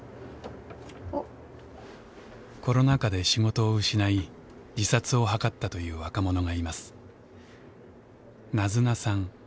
コロナ禍で仕事を失い自殺を図ったという若者がいます。